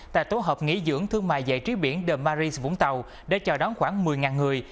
tại tổ hợp nghỉ dưỡng thương mại giải trí biển the maris vũng tàu để chào đón khoảng một mươi người